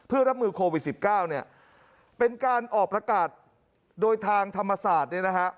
เพื่อรับมือโควิด๑๙เป็นการออกประกาศโดยทางธรรมศาสตร์